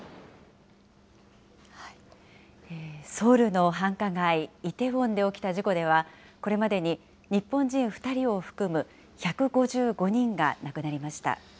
ソウルの繁華街、イテウォンで起きた事故では、これまでに日本人２人を含む１５５人が亡くなりました。